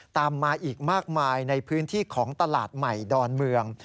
ตามมาอีกมากมายในพื้นที่ของตลาดใหม่ดอนเมือง